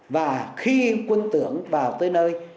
và khi quân tưởng vào tới nơi